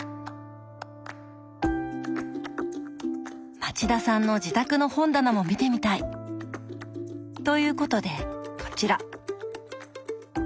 町田さんの自宅の本棚も見てみたい！ということでこちら！